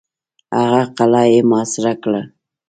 هغه قلا یې محاصره کړه.